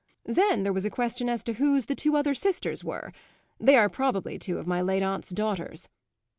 Then there was a question as to whose the two other sisters were; they are probably two of my late aunt's daughters.